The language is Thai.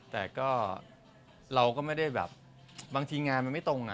แต่ก็เราก็ไม่ได้แบบบางทีงานมันไม่ตรง